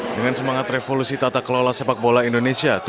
dengan semangat revolusi tata kelola sepak bola indonesia